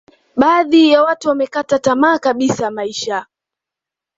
badhi ya watu wamekata tama kabisa ya maisha